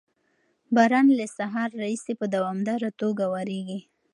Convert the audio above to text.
باران له سهار راهیسې په دوامداره توګه ورېږي.